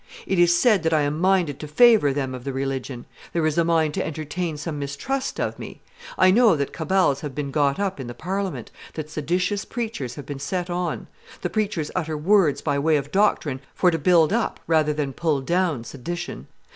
It is said that I am minded to favor them of the religion; there is a mind to entertain some mistrust of me. ... I know that cabals have been got up in the Parliament, that seditious preachers have been set on. ... The preachers utter words by way of doctrine for to build up rather than pull down sedition.